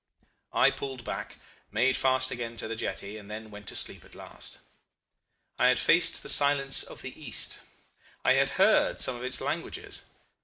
"I pulled back, made fast again to the jetty, and then went to sleep at last. I had faced the silence of the East. I had heard some of its languages.